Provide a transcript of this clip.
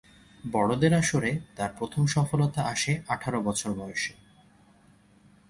বড়দের আসরে তার প্রথম সফলতা আসে আঠারো বছর বয়সে।